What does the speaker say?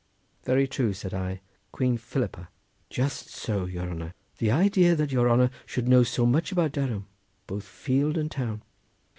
"Very true," said I; "Queen Philippa." "Just so, your honour! the idea that your honour should know so much about Durham, both field and town!"